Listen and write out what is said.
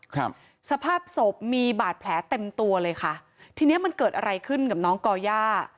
ครับสภาพศพมีบาดแผลเต็มตัวเลยค่ะทีเนี้ยมันเกิดอะไรขึ้นกับน้องก่อย่า